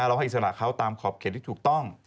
เราให้อิสระเขาตามขอบเขตที่ถูกต้อง